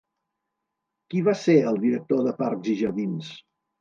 Qui va ser el director de Parcs i jardins?